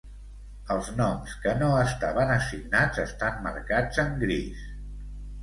Els noms que no estaven assignats estan marcats en gris.